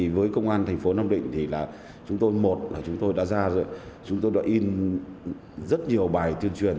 với công an thành phố nam định chúng tôi đã ra rồi chúng tôi đã in rất nhiều bài tiên truyền